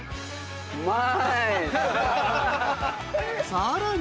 ［さらに］